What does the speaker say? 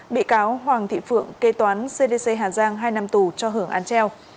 bị cáo hoàng thị phượng kế toán cdc hà giang hai năm tù cho hưởng án treo